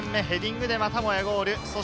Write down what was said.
ヘディングでまたもやゴール。